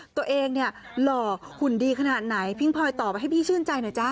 ตัวเองเนี่ยหล่อหุ่นดีขนาดไหนพี่พลอยตอบไปให้พี่ชื่นใจหน่อยจ้า